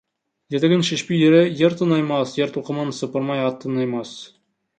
Етігін шешпей ер тыңаймас, ер-тоқымын сыпырмай ат тыңаймас.